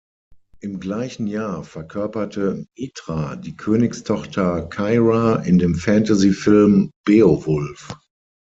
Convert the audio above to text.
Im gleichen Jahr verkörperte Mitra die Königstochter "Kyra" in dem Fantasyfilm "Beowulf".